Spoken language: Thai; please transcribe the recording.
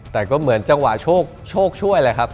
แต่ก็เหมือนจังหวะโชคช่วยแหละครับ